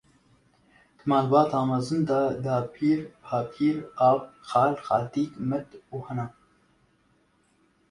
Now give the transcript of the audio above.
Di malbata mezin de dapîr, babîr, ap, xal, xaltîk, met û hene.